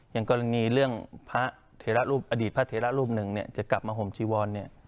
อย่างกรณีเรื่องพระเทระรูปอดีตพระเทระรูปหนึ่งจะกลับมาห่มจีวร